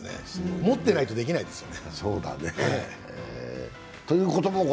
もってないとできないですよね。